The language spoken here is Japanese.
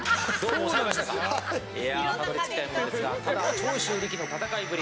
長州力の戦いぶり